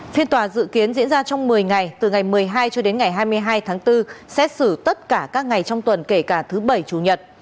phiên tòa dự kiến diễn ra trong một mươi ngày từ ngày một mươi hai cho đến ngày hai mươi hai tháng bốn xét xử tất cả các ngày trong tuần kể cả thứ bảy chủ nhật